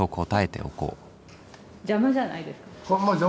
邪魔じゃないですか？